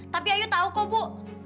tapi ayo tahu kok bu